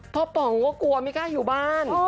ป๋องก็กลัวไม่กล้าอยู่บ้าน